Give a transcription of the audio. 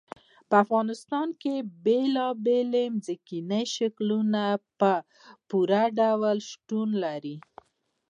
په افغانستان کې بېلابېل ځمکني شکلونه په پوره ډول شتون لري.